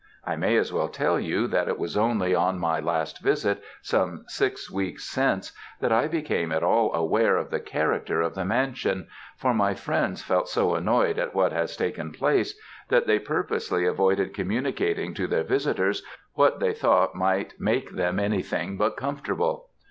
I may as well tell you that it was only on my last visit, some six weeks since, that I became at all aware of the character of the mansion, for my friends felt so annoyed at what has taken place, that they purposely avoided communicating to their visitors what they thought might make them anything but comfortable.